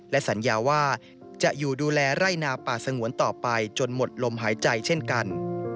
และสัญญาว่าจะอยู่ดูแลไร่นาป่าสงวนต่อไปจนหมดลมหายใจเช่นกัน